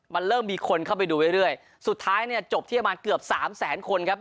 มันเริ่มมีคนเข้าไปดูเรื่อยสุดท้ายเนี่ยจบที่ประมาณเกือบสามแสนคนครับ